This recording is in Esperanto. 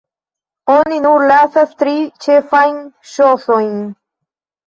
Oni nur lasas tri ĉefajn ŝosojn.